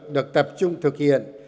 được tập trung thực hiện